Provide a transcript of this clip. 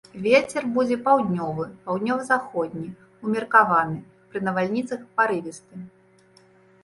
Вецер будзе паўднёвы, паўднёва-заходні ўмеркаваны, пры навальніцах парывісты.